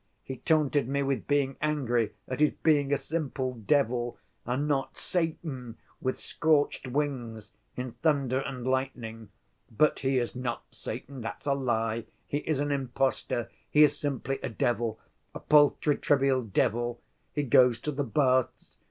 He taunted me with being angry at his being a simple devil and not Satan, with scorched wings, in thunder and lightning. But he is not Satan: that's a lie. He is an impostor. He is simply a devil—a paltry, trivial devil. He goes to the baths.